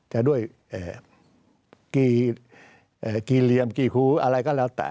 จะด้วยกี่เหลี่ยมกี่หูอะไรก็แล้วแต่